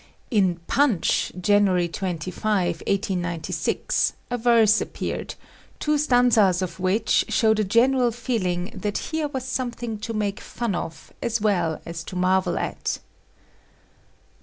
In Punch, January 25, 1896, a verse appeared, two stanzas of which show the general feeling that here was something to make fun of as well as to marvel at.